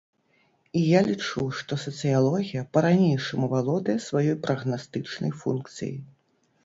І я лічу, што сацыялогія па-ранейшаму валодае сваёй прагнастычнай функцыяй.